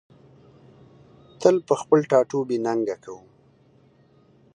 تل په خپل ټاټوبي ننګه کوم